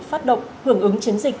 phát động hưởng ứng chiến dịch